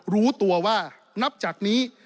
รู้ตัวว่านับจากนี้